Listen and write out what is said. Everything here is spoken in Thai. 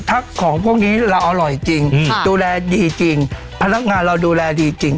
ถ้าของพวกนี้เราอร่อยจริงดูแลดีจริงพนักงานเราดูแลดีจริง